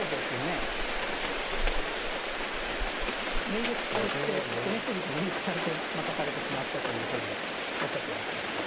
入玉されて攻め過ぎて入玉されて負かされてしまったというふうにおっしゃってましたっけ。